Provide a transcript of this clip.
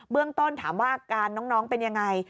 เรื่องต้นถามว่าอาการน้องเป็นยังไง